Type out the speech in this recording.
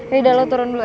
leda lo turun dulu anja